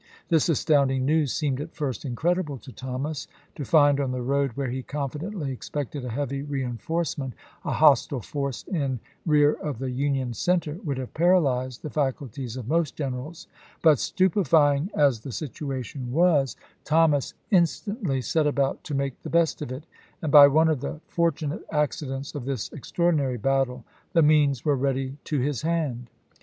This astounding news seemed at fii"st incredible to Thomas ; to find on the road where he confidently expected a heavy reenforcement a hostile force in rear of the Union center would have piaralyzed the faculties of most generals; but stupefying as the situation was, Thomas instantly set about to make the best of it, and by one of the fortunate accidents of this extraordinary battle the means were ready to his hand.